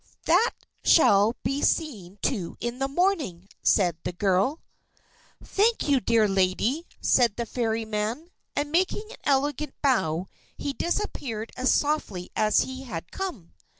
"That shall be seen to in the morning," said the girl. "Thank you, dear lady," said the Fairy man, and making an elegant bow, he disappeared as softly as he had come.